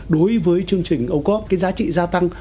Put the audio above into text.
đối với chương trình ô cốp cái giá trị gia tăng